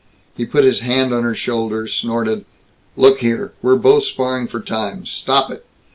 He put his hand on her shoulder, snorted, "Look here. We're both sparring for time. Stop it.